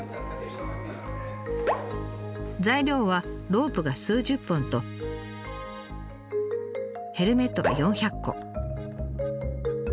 材料はロープが数十本とヘルメットが４００個。